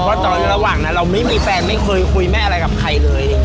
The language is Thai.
แต่พอตอนมือระหว่างนั้นเรายังไม่มีแฟนไม่เคยคุยแม่ถึงกับใครเลย